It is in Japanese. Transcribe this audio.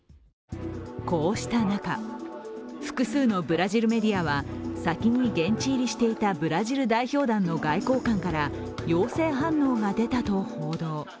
こうした中、複数のブラジルメディアは先に現地入りしていたブラジル代表団の外交官から陽性反応が出たと報道。